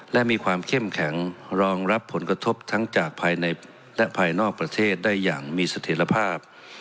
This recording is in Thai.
และมีความเข้มแข็งรองรับผลกระทบทั้งจากภายในและภายนอกประเทศได้อย่างมีเสถียรภาพ